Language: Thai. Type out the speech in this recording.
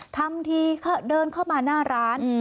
ทำทีเดินเข้ามาหน้าร้าน